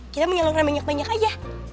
kita menyalurkan banyak banyak aja